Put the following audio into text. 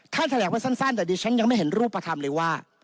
แถลงไว้สั้นแต่ดิฉันยังไม่เห็นรูปธรรมเลยว่า